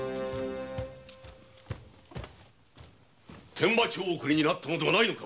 伝馬町送りになったのではないのか！